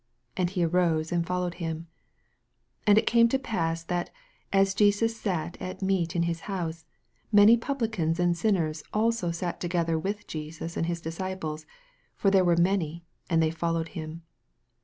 And he arose and followed him. 15 And it came to pass, that, as Je BUS sat at meat in his house, iv.any Pub licans and sinners sat also together with Jesus and his disciples: for there were many, and they followed him.